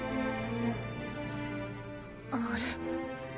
あれ？